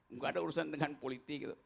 nggak ada urusan dengan politik gitu